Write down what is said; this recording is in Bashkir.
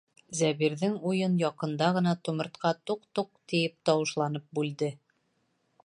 Зәбирҙең уйын яҡында ғына тумыртҡа «туҡ-туҡ» тиеп тауышланып бүлде.